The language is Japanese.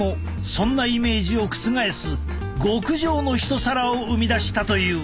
そんなイメージを覆す極上の一皿を生み出したという。